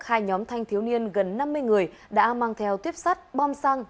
hai nhóm thanh thiếu niên gần năm mươi người đã mang theo tuyếp sắt bom xăng